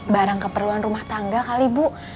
barang keperluan rumah tangga kali ibu